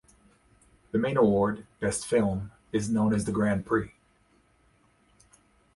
The main award (best film) is known as the Grand Prix.